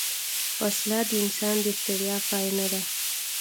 وسله د انسان د ستړیا پای نه ده